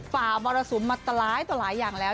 ฝาบุรสุมมัตตรอะไรใหญ่ต่อหลายอย่างแล้ว